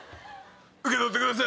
受け取ってください！